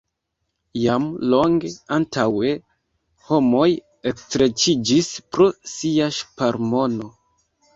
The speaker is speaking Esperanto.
Jam longe antaŭe homoj ekstreĉiĝis pro sia ŝparmono.